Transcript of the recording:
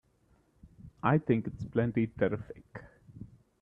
I think it's plenty terrific!